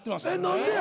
何でや？